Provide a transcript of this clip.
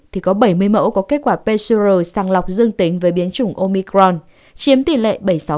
thì có bảy mươi mẫu có kết quả pcr sàng lọc dương tính với biến chủng omicron chiếm tỷ lệ bảy mươi sáu